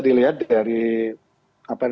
dilihat dari apa yang